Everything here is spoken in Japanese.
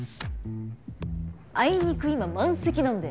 あいにく今満席なんで。